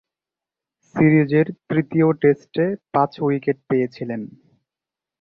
সিরিজের তৃতীয় টেস্টে পাঁচ উইকেট পেয়েছিলেন।